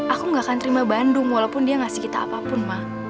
aku gak akan terima bandung walaupun dia ngasih kita apapun ma